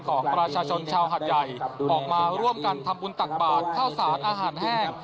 ออกมาร่วมกันทำบุญตักบาดเข้าสานอาหารแห้ง